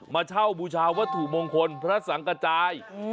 เช่าบูชาวัตถุมงคลพระสังกระจาย